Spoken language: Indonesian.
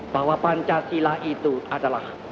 bahwa pancasila itu adalah